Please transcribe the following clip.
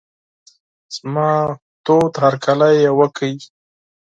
زما تود هرکلی یې وکړ.